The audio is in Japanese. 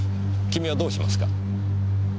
君はどうしますか？